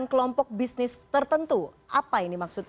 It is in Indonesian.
sejauh mana kemudian transparansi data soal pcr ini diketahui publik